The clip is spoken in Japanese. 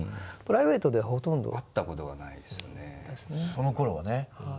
そのころはね。